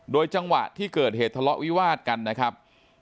โดยจังหวะที่เกิดเหตุทะเลาะวิวาดกันนะครับ